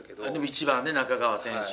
１番で中川選手。